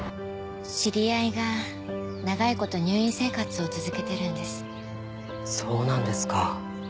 知り合いが長いこと入院生活を続けてるんですそうなんですか